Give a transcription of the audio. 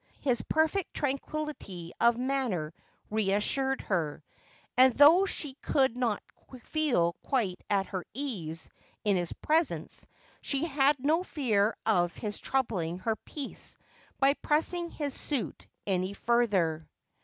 His perfect tranquillity of manner reassured her, and though she could not feel quite at her ease in his presence, she had no fear of his troubling her peace by pressing his suit any further.